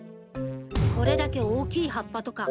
これだけ大きい葉っぱとか。